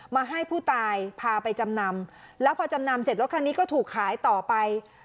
มาให้ผู้ตายพาไปจำนำแล้วพอจำนำเสร็จรถคันนี้ก็ถูกขายต่อไป